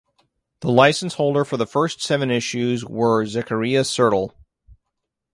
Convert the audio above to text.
The license holder for the first seven issues were Zekeriya Sertel.